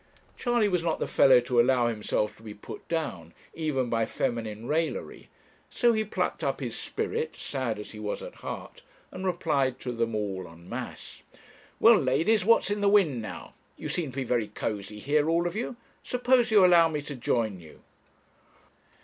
Charley was not the fellow to allow himself to be put down, even by feminine raillery; so he plucked up his spirit, sad as he was at heart, and replied to them all en masse. 'Well, ladies, what's in the wind now? You seem to be very cosy here, all of you; suppose you allow me to join you.'